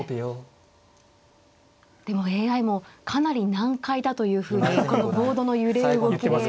でもＡＩもかなり難解だというふうにこのボードの揺れ動きで。